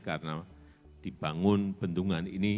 karena dibangun bendungan ini